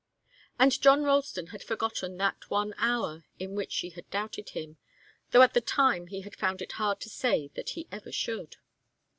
And John Ralston had forgotten that one hour in which she had doubted him, though at the time he had found it hard to say that he ever should.